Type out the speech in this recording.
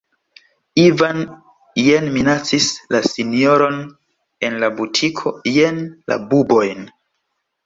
Ivan jen minacis la sinjoron en la butiko, jen la bubojn.